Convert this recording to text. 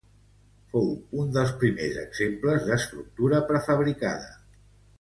Fou un dels primers exemples d'estructura prefabricada.